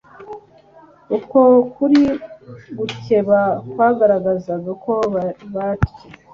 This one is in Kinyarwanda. Uko kuri gukeba kwagaragazaga uko batcye.